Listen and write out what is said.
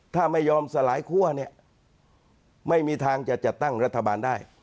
ถ้าไม่ยอมสลายคั่วเนี่ยไม่มีทางจะจัดตั้งรัฐบาลได้